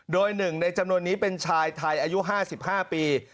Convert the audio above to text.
โดยหนึ่งในจำนวนนี้เป็นชายไทยอายุ๕๕ปี